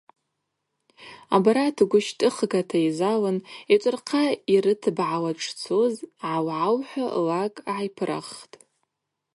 Абарат гвы щтӏыхгата йзалын йчӏвырхъа йрытыбгӏауа дшцуз гӏау-гӏау – хӏва лакӏ гӏайпыраххтӏ.